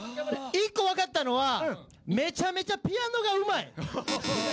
１個分かったのはめちゃくちゃピアノがうまい！